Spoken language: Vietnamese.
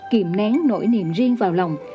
kiềm nén nỗi niềm riêng vào lòng